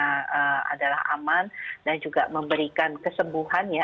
jadi obatnya adalah aman dan juga memberikan kesembuhan ya